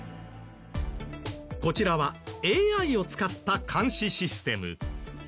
こちらはＡＩを使った監視システム。